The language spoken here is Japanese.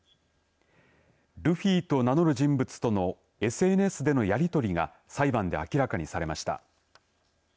ルフィと名乗る人物とのＳＮＳでのやり取りが裁判で明らかにされました。